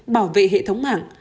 bảo vệ hệ thống mạng